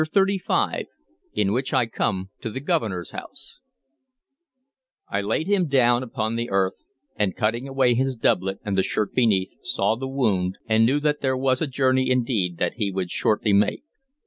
CHAPTER XXXV IN WHICH I COME TO THE GOVERNOR'S HOUSE I LAID him down upon the earth, and, cutting away his doublet and the shirt beneath, saw the wound, and knew that there was a journey indeed that he would shortly make.